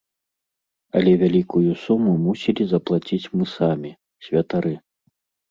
Але вялікую суму мусілі заплаціць мы самі, святары.